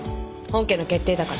本家の決定だから。